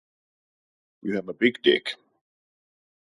You have a big dick.